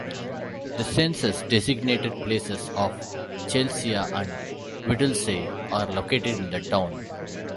The census-designated places of Chelsea and Whittlesey are located in the town.